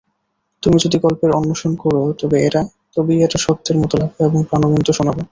তুমি যদি গল্পের অন্বেষণ কর, তবেই এটা সত্যের মতো লাগবে এবং প্রানবন্ত শোনাবে।